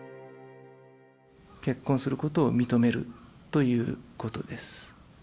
結婚することを認めるということです。